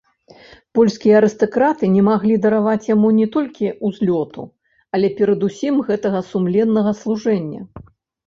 Польскія арыстакраты не маглі дараваць яму не толькі ўзлёту, але перадусім гэтага сумленнага служэння.